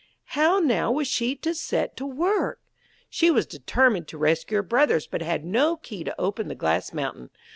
How, now, was she to set to work? She was determined to rescue her brothers, but had no key to open the glass mountain.